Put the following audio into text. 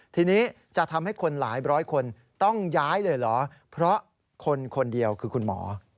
ทีนี้จะทำให้คนหลายร้อยคนต้องย้ายเลยเหรอเพราะคนคนเดียวคือคุณหมอ